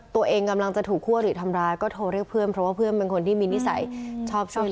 ตัวเองกำลังจะถูกควบหรือทำร้ายก็เรียกเพื่อนเพราะว่ามีนิสัยชอบช่วย